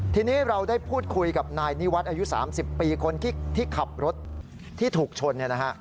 ทีนี้เราได้พูดคุยกับนายนี่วัดอายุ๓๐ปีคนที่ขับรถที่ถูกชน